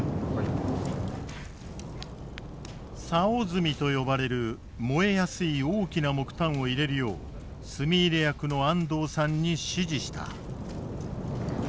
竿炭と呼ばれる燃えやすい大きな木炭を入れるよう炭入れ役の安藤さんに指示した。